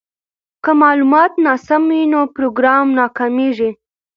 که معلومات ناسم وي نو پروګرام ناکامیږي.